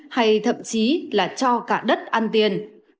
hay thậm chí là cho cả đất ăn tiền